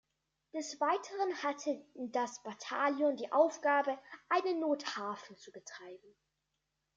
Des Weiteren hatte das Bataillon die Aufgabe, einen Nothafen zu betreiben.